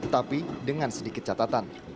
tapi dengan sedikit catatan